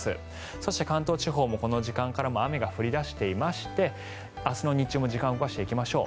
そして関東地方、この時間からも雨が降り出していまして明日の日中も時間を動かしていきましょう。